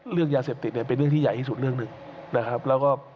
เรื่องยาเสพติดเนี่ยเป็นเรื่องที่ใหญ่ที่สุดเรื่องหนึ่งนะครับแล้วก็